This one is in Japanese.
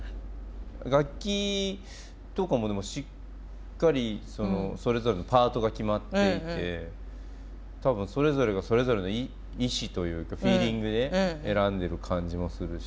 楽器とかもでもしっかりそれぞれのパートが決まっていて多分それぞれがそれぞれの意思というかフィーリングで選んでる感じもするし。